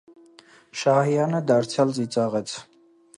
Շահյանը դարձյալ ծիծաղեց: